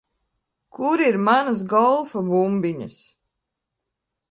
Kur ir manas golfa bumbiņas?